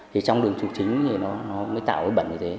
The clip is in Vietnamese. thì trong đường trục chính thì nó mới tạo cái bẩn như thế